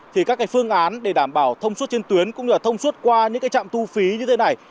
thì các phương án để đảm bảo thông suất trên tuyến cũng như là thông suất qua những trạm thu phí như thế này